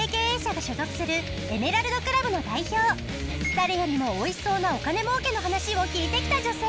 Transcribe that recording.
誰よりもオイシそうなお金儲けの話を聞いて来た女性